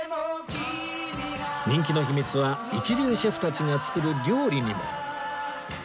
人気の秘密は一流シェフたちが作る料理にも